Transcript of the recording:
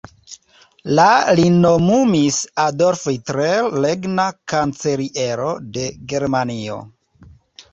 La li nomumis Adolf Hitler regna kanceliero de Germanio.